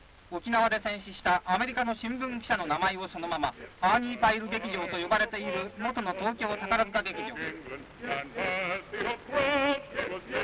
沖縄で戦死したアメリカの新聞記者の名前をそのままアーニーパイル劇場と呼ばれている元の東京宝塚劇場」。